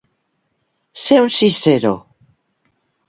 Ser un cícero.